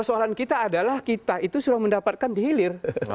persoalan kita adalah kita itu sudah mendapatkan dihilir